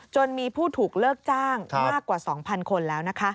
จนมีผู้ถูกเลิกจ้างมากกว่า๒๐๐คนแล้ว